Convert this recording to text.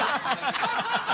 ハハハ